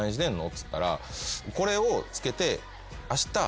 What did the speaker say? っつったら「これをつけてあした」